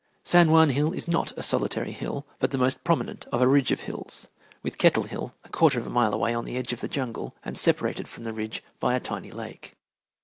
San Juan Hill is not a solitary hill, but the most prominent of a ridge of hills, with Kettle Hill a quarter of a mile away on the edge of the jungle and separated from the ridge by a tiny lake.